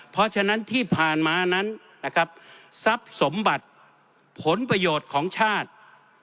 เพราะฉะนั้นที่ผ่านมานั้นนะครับทรัพย์สมบัติผลประโยชน์ของชาติ